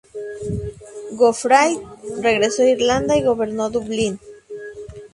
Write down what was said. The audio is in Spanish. Gofraid regresó a Irlanda y gobernó Dublín.